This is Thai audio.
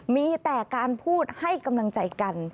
มีแต่การพูดให้กำลังใจกัน